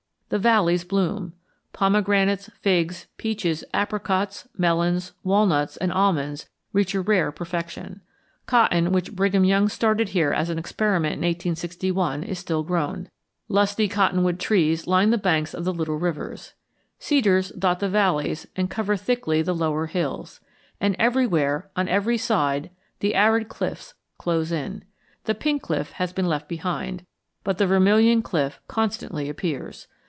The valleys bloom. Pomegranates, figs, peaches, apricots, melons, walnuts, and almonds reach a rare perfection. Cotton, which Brigham Young started here as an experiment in 1861, is still grown. Lusty cottonwood trees line the banks of the little rivers. Cedars dot the valleys and cover thickly the lower hills. And everywhere, on every side, the arid cliffs close in. The Pink Cliff has been left behind, but the Vermilion Cliff constantly appears.